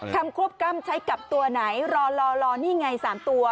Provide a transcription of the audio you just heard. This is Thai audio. ควบกล้ำใช้กับตัวไหนรอนี่ไง๓ตัว